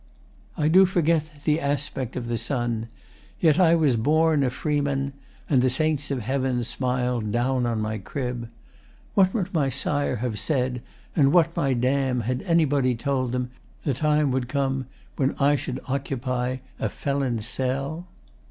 I do forget The aspect of the sun. Yet I was born A freeman, and the Saints of Heaven smiled Down on my crib. What would my sire have said, And what my dam, had anybody told them The time would come when I should occupy A felon's cell?